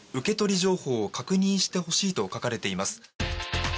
情報を確認してほしいと書かれています。